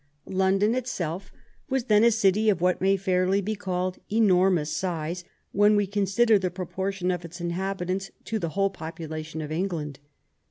London itself was then a city of what may fairly be called enormous size when we consider the proportion of its inhabitants to the whole population of England.